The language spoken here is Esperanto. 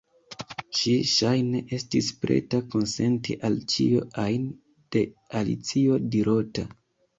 Ŝi ŝajne estis preta konsenti al ĉio ajn de Alicio dirota.